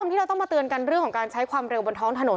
ที่เราต้องมาเตือนกันเรื่องของการใช้ความเร็วบนท้องถนน